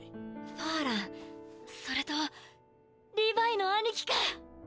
ファーランそれとリヴァイの兄貴か！